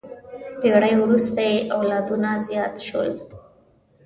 پېړۍ وروسته یې اولادونه زیات شول.